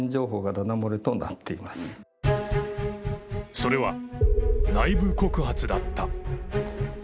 それは内部告発だった。